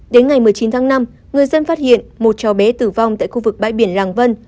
đến ngày một mươi chín tháng năm người dân phát hiện một cháu bé tử vong tại khu vực bãi biển làng vân